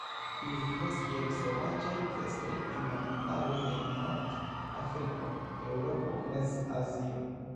Ili vivas kiel sovaĝaj bestoj en la montaroj de Nord-Afriko, Eŭropo, Mez-Azio.